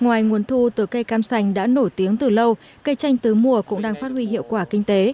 ngoài nguồn thu từ cây cam sành đã nổi tiếng từ lâu cây chanh tứ mùa cũng đang phát huy hiệu quả kinh tế